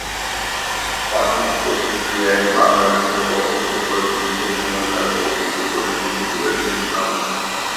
পাঠক প্রতিক্রিয়ায় বাংলাদেশের পক্ষ থেকেও যুদ্ধের সময়কার প্রকৃত পরিস্থিতি তুলে ধরেছেন অনেকে।